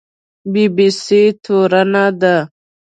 بي بي سي تورنه ده